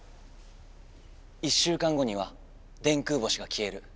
１週間後には電空星がきえる。